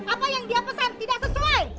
apa yang dia pesan tidak sesuai